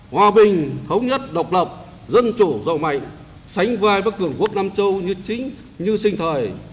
hòa bình thống nhất độc lập dân chủ rộng mạnh sánh vai bất cường quốc nam châu như sinh thời